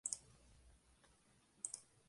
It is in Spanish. Tiene una distribución neotropical.